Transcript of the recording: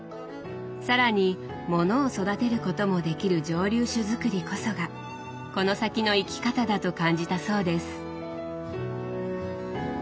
更にものを育てることもできる蒸留酒づくりこそがこの先の生き方だと感じたそうです。